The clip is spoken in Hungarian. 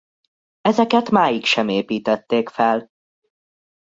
Ezeket máig sem építették fel.